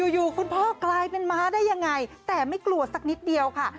อยู่คุณพ่อกลายเป็นม้าได้ยังไงแต่ไม่กลัวสักนิดเดียวค่ะ